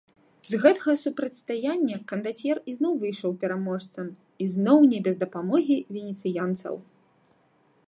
З гэтага супрацьстаяння кандацьер ізноў выйшаў пераможцам, ізноў не без дапамогі венецыянцаў.